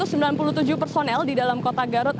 agar tidak terjadi kemalangan dan kemalangan di dalam kota garut